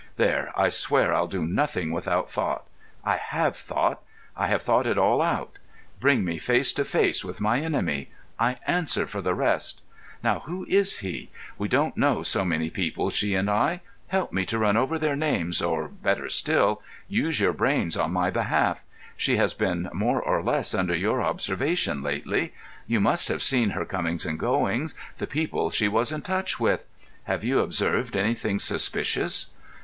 There, I swear I'll do nothing without thought. I have thought. I have thought it all out. Bring me face to face with my enemy. I answer for the rest. Now, who is he? We don't know so many people, she and I. Help me to run over their names, or, better still, use your brains on my behalf. She has been more or less under your observation lately. You must have seen her comings and goings—the people she was in touch with. Have you observed anything suspicious?"